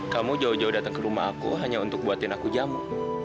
kamu jauh jauh datang ke rumah aku hanya untuk buatin aku jamu